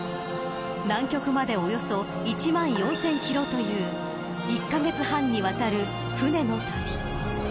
南極までおよそ１万４０００キロという１カ月半にわたる船の旅。